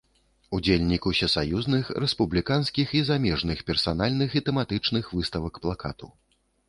Удзельнік усесаюзных, рэспубліканскіх і замежных, персанальных і тэматычных выставак плакату.